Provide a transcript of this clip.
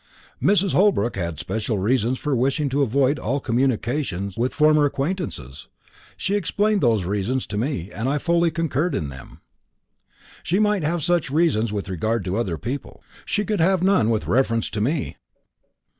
"Mrs. Holbrook had especial reasons for wishing to avoid all communication with former acquaintances. She explained those reasons to me, and I fully concurred in them." "She might have such reasons with regard to other people; she could have none with reference to me."